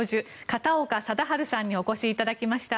片岡貞治さんにお越しいただきました。